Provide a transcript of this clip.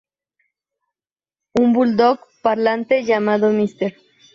Un bulldog parlante llamado Mr.